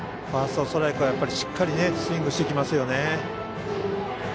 ファーストストライクはしっかりスイングしてきますよね。